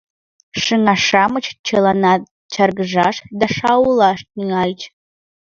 — шыҥа-шамыч чыланат чаргыжаш да шаулаш тӱҥальыч.